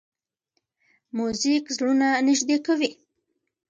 موزیک زړونه نږدې کوي.